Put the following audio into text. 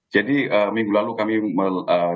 jadi minggu lalu kami menerima buku ini